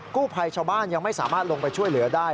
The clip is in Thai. กู้ภัยชาวบ้านยังไม่สามารถลงไปช่วยเหลือได้